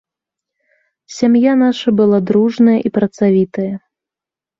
Сям'я наша была дружная і працавітая.